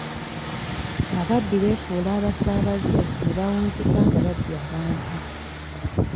Ababbi beefuula abasaabaze ne bawunzika nga babbye abantu.